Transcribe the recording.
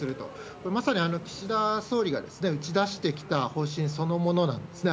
これ、まさに岸田総理が打ち出してきた方針そのものなんですね。